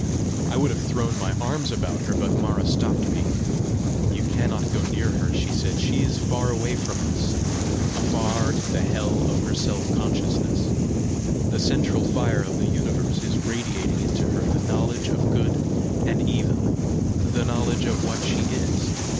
I would have thrown my arms about her, but Mara stopped me. "You cannot go near her," she said. "She is far away from us, afar in the hell of her self consciousness. The central fire of the universe is radiating into her the knowledge of good and evil, the knowledge of what she is.